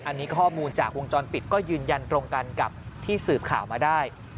อันนี้ข้อมูลจากวงจรปิดก็ยืนยันตรงกันกับที่สืบข่าวมาได้